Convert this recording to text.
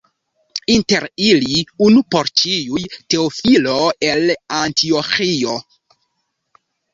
Inter ili, unu por ĉiuj, Teofilo el Antioĥio.